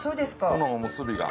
このおむすびが。